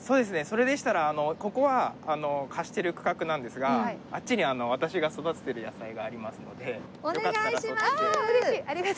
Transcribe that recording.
それでしたらここは貸してる区画なんですがあっちに私が育てている野菜がありますのでよかったらそっちで。